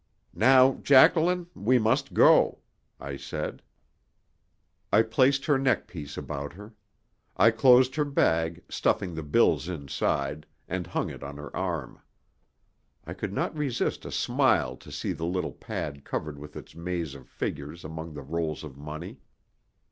"Now, Jacqueline, we must go," I said. I placed her neckpiece about her. I closed her bag, stuffing the bills inside, and hung it on her arm. I could not resist a smile to see the little pad covered with its maze of figures among the rolls of money.